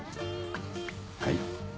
はい。